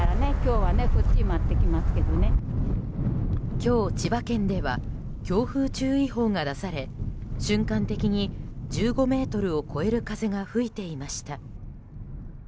今日、千葉県では強風注意報が出され瞬間的に１５メートルを超える風が吹いていました。